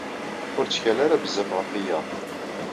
Ur ttkal ara bezzaf ɣef wiyaḍ.